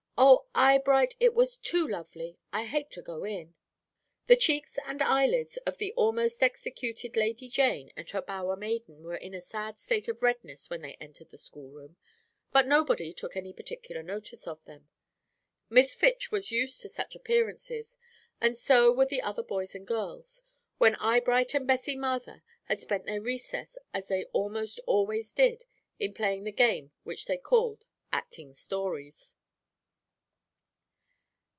"Oh, Eyebright, it was too lovely! I hate to go in." The cheeks and eyelids of the almost executed Lady Jane and her bower maiden were in a sad state of redness when they entered the schoolroom, but nobody took any particular notice of them. Miss Fitch was used to such appearances, and so were the other boys and girls, when Eyebright and Bessie Mather had spent their recess, as they almost always did, in playing the game which they called "acting stories."